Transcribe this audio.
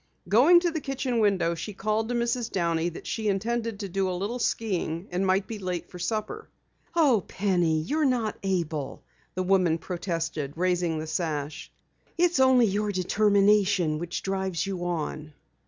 Going to the kitchen window, she called to Mrs. Downey that she intended to do a little skiing and might be late for dinner. "Oh, Penny, you're not able," the woman protested, raising the sash. "It's only your determination which drives you on."